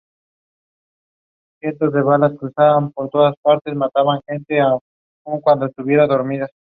Barney le presentó a Gertrude Stein, de la que se hizo gran amiga.